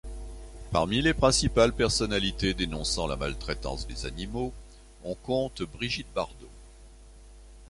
Parmi les principales personnalités dénonçant la maltraitance des animaux, on compte Brigitte Bardot.